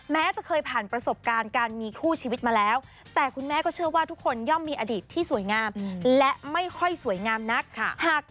แม้จะเคยผ่านประสบการณ์การมีคู่ชีวิตมาแล้วแต่คุณแม่ก็เชื่อว่าทุกคนย่อมมีอดีตที่สวยงามและไม่ค่อยสวยงามนัก